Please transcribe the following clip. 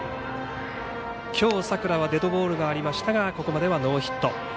きょう佐倉はデッドボールがありましたがここまではノーヒット。